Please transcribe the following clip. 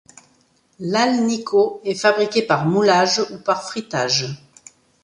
L'Alnico est fabriqué par moulage ou par frittage.